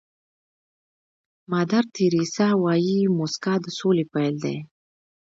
مادر تیریسا وایي موسکا د سولې پيل دی.